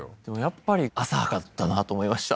やっぱり浅はかだったなと思いました